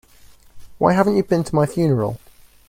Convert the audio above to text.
Why haven't you been to my funeral?